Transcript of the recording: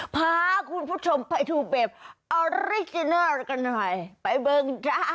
พาคุณผู้ชมไปดูแบบออริจินัลกันหน่อยไปเบิ้งจ้า